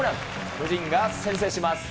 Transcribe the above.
巨人が先制します。